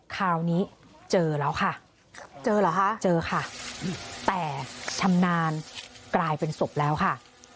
คราวนี้เจอแล้วค่ะเจอเหรอคะเจอค่ะแต่ชำนาญกลายเป็นศพแล้วค่ะ